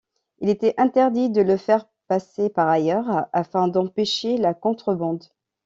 Il était interdit de le faire passer par ailleurs afin d’empêcher la contrebande.